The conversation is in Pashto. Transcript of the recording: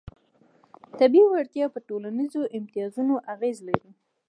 طبیعي وړتیاوې په ټولنیزو امتیازونو اغېز لري.